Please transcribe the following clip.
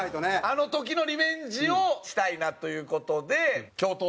あの時のリベンジをしたいなという事で。